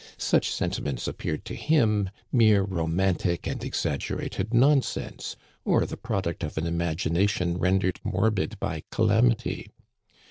Such sentiments appeared to him mere romantic and exaggerated non sense, or the product of an imagination rendered mor bid by calamity.